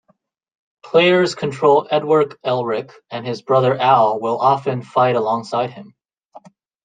Players control Edward Elric, and his brother Al will often fight alongside him.